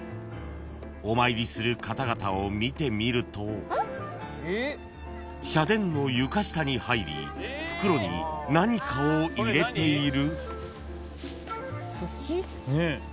［お参りする方々を見てみると社殿の床下に入り袋に何かを入れている？］